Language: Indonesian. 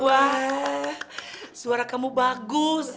wah suara kamu bagus